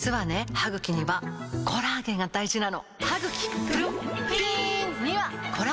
歯ぐきにはコラーゲンが大事なの！